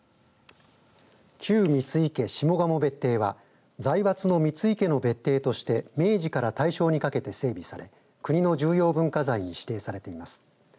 旧三井家下鴨別邸は財閥の三井家の別邸として明治から大正にかけて整備され国の重要文化財に指定されています。